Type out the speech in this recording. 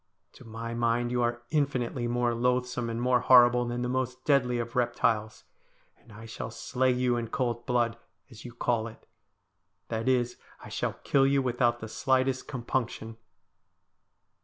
To my mind you are infinitely more loathsome and more horrible than the most deadly of reptiles, and I shall slay you in cold blood, as you call it. That is, I shall kill you without the slightest compunction.'